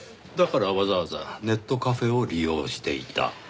だからわざわざネットカフェを利用していた。